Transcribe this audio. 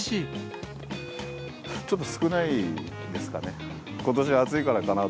ちょっと少ないですかね。